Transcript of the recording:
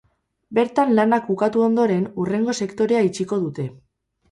Bertan lanak bukatu ondoren, hurrengo sektorea itxiko dute.